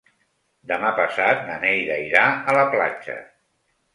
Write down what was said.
Demà passat na Neida irà a la platja.